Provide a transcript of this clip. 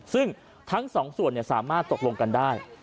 ซึ่งทั้งสองส่วนสามารถตกลงกันได้